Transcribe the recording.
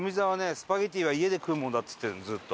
スパゲティは家で食うもんだっつってるのずっと。